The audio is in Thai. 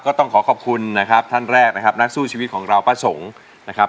ต้องขอขอบคุณนะครับท่านแรกนะครับนักสู้ชีวิตของเราป้าสงฆ์นะครับ